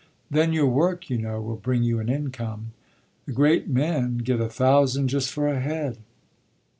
"Then your work, you know, will bring you an income. The great men get a thousand just for a head."